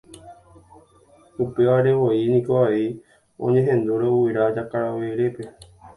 Upevarevoi niko avei oñehendúrõ guyra Jakaverépe